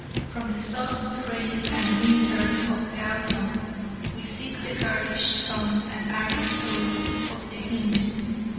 From the soft rain and green turf of Gaeldom, we seek the garish sun and arid soil of the Hindoo.